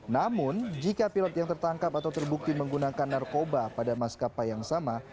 namun jika pilot yang tertangkap atau terbukti menggunakan narkoba pada maskapai yang sama